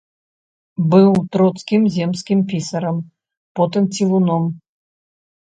Быў троцкім земскім пісарам, потым цівуном.